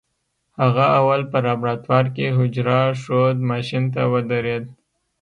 هغه اول په لابراتوار کې حجره ښود ماشين ته ودرېد.